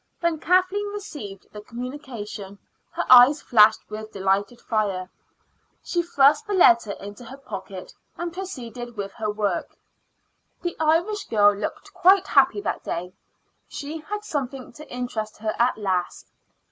When Kathleen received the communication her eyes flashed with delighted fire. She thrust the letter into her pocket and proceeded with her work. The Irish girl looked quite happy that day; she had something to interest her at last.